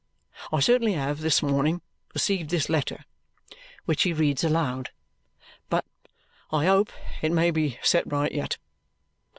I certainly have, this morning, received this letter" which he reads aloud "but I hope it may be set right yet.